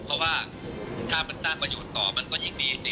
เพราะว่าค่ะมันตั้งประหยุดต่อมันก็ยิ่งดีสิ